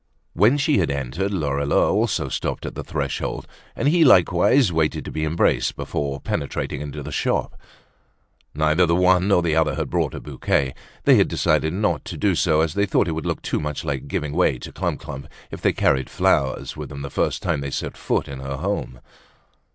When she had entered Lorilleux also stopped at the threshold and he likewise waited to be embraced before penetrating into the shop. Neither the one nor the other had brought a bouquet. They had decided not to do so as they thought it would look too much like giving way to Clump clump if they carried flowers with them the first time they set foot in her home.